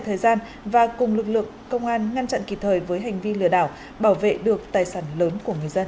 thời gian và cùng lực lượng công an ngăn chặn kịp thời với hành vi lừa đảo bảo vệ được tài sản lớn của người dân